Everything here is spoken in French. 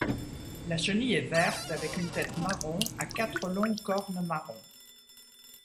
La chenille est verte avec une tête marron à quatre longues cornes marron.